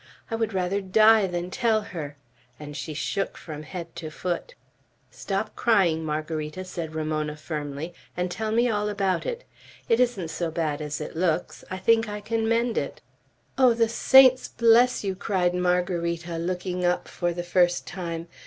I would rather die than tell her;" and she shook from head to foot. "Stop crying, Margarita!" said Ramona, firmly, "and tell me all about it. It isn't so bad as it looks. I think I can mend it." "Oh, the saints bless you!" cried Margarita, looking up for the first time.